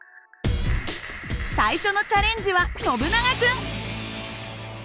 最初のチャレンジはノブナガ君。